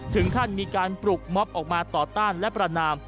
ถึงขั้นมีการปลุกม็อบออกมาต่อต้านและประนาม